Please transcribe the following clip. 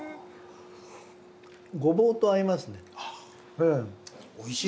ごぼうと合いますね。